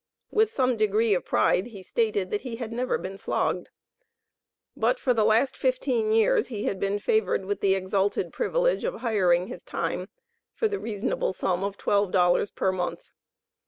With some degree of pride, he stated that he "had never been flogged." But, for the "last fifteen years, he had been favored with the exalted privilege of 'hiring' his time at the 'reasonable' sum of $12 per month."